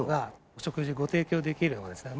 お食事ご提供できるのがですね